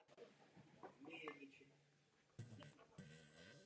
Programování her se příliš nevěnoval.